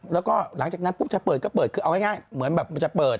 แล้วก็หลังจากนั้นปุ๊บจะเปิดก็เปิดคือเอาง่ายเหมือนแบบมันจะเปิด